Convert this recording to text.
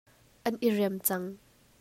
An i rem cang.